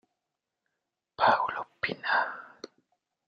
Paulo Pina